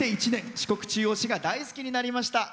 四国中央市が大好きになりました。